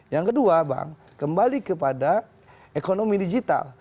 yang kedua bang kembali kepada ekonomi digital